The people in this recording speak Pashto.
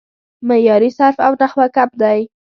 معیاري صرف او نحو کم دی